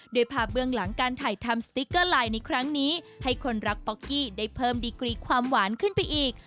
โดยภาพเบื้องหลังการถ่ายทำสติ๊กเกอร์ไลน์ในครั้งนี้ให้คนรักป๊อกกี้ได้เพิ่มดีกรีความหวานขึ้นไปอีก